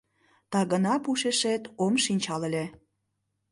Тагына пушешет ом шинчал ыле.